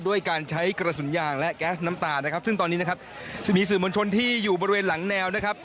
ด้วยการใช้กระสุนยางและแก๊สน้ำตานะครับซึ่งตอนนี้นะครับจะมีสื่อมวลชนที่อยู่บริเวณหลังแนวนะครับ